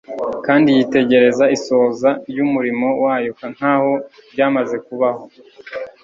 kandi yitegereza isoza ry'umurimo wayo nkaho ryamaze kubaho.